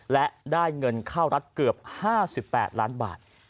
และได้เงินเข้ารัฐเกือบ๕๘ล้านบาท